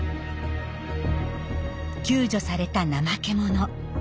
救助されたナマケモノ。